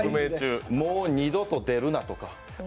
二度と出るなとか。